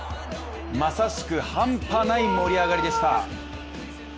まさしく半端ない盛り上がりでした。